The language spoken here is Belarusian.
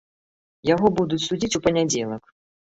Яго будуць судзіць у панядзелак.